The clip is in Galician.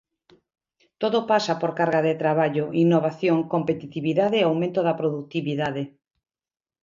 Todo pasa por carga de traballo, innovación, competitividade e aumento da produtividade.